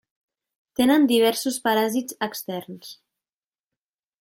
Tenen diversos paràsits externs.